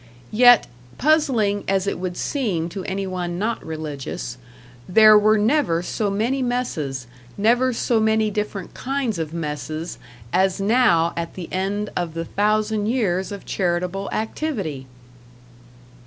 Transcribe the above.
Yet puzzling as it would seem to anyone not religious there were never so many messes, never so many different kinds of messes, as now at the end of the thousand years of charitable activity!